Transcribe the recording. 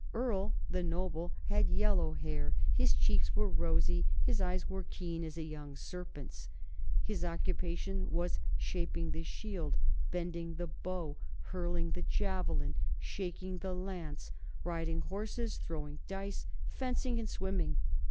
Earl, the noble, had yellow hair, his cheeks were rosy, his eyes were keen as a young serpent's. His occupation was shaping the shield, bending the bow, hurling the javelin, shaking the lance, riding horses, throwing dice, fencing, and swimming.